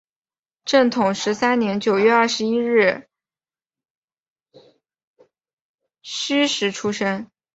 正统十三年九月二十一日戌时出生。